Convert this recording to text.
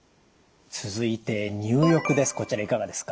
続いて入浴です。